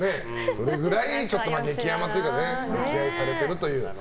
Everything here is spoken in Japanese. それくらい激甘というか溺愛されているという。